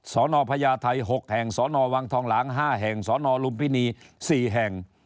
สนพญาไทย๖แห่งสนวังทองหลาง๕แห่งสนลุมพินี๔แห่ง